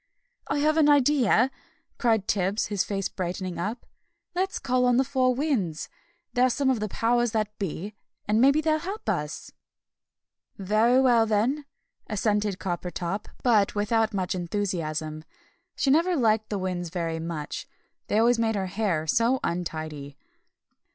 "I have an idea!" cried Tibbs, his face brightening up. "Let's call on the Four Winds. They're some of the Powers that be, and maybe they'll help us." "Very well, then," assented Coppertop, but without much enthusiasm; she never liked the Winds very much, they always made her hair so untidy.